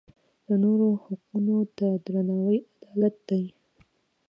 د نورو حقونو ته درناوی عدالت دی.